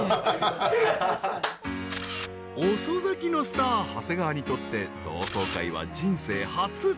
［遅咲きのスター長谷川にとって同窓会は人生初］